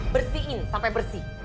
bersihin sampe bersih